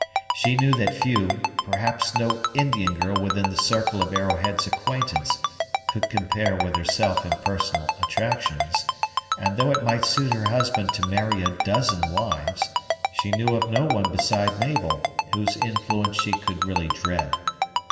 She knew that few, perhaps no Indian girl within the circle of Arrowhead's acquaintance, could compare with herself in personal attractions; and, though it might suit her husband to marry a dozen wives, she knew of no one, beside Mabel, whose influence she could really dread.